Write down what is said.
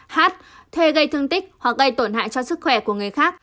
hát thuê gây thương tích hoặc gây tổn hại cho sức khỏe của người khác